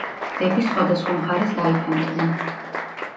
დები სხვადასხვა მხარეს დაიფანტნენ.